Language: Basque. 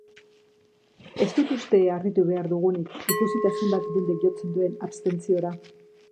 Ez dut uste harritu behar dugunik ikusita zenbat jendek jotzen duen abstentziora.